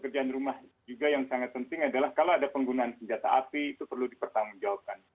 pekerjaan rumah juga yang sangat penting adalah kalau ada penggunaan senjata api itu perlu dipertanggungjawabkan